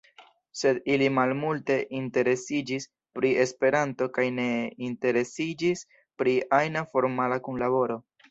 Sed ili malmulte interesiĝis pri Esperanto kaj ne interesiĝis pri ajna formala kunlaboro.